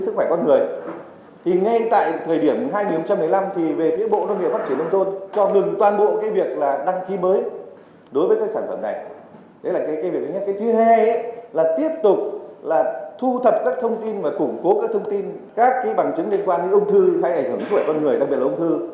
các bằng chứng liên quan đến ung thư hay ảnh hưởng sức khỏe con người đặc biệt là ung thư